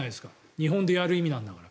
日本でやる意味なんだから。